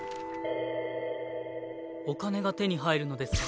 お金が手に入るのですか？